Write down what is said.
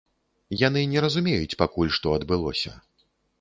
Яны не разумеюць пакуль, што адбылося.